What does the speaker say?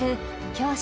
教師